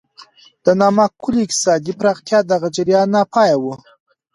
د نامعقولې اقتصادي پراختیا دغه جریان ناپایه و.